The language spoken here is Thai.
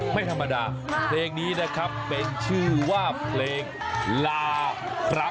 ไม่ธรรมดาเพลงนี้นะครับเป็นชื่อว่าเพลงลาพระ